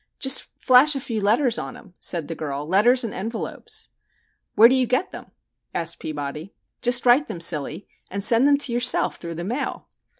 "Just flash a few letters on him," said the girl. "Letters and envelopes." "Where do you get 'em?" asked Peabody. "Just write them, silly, and send them to yourself through the mail."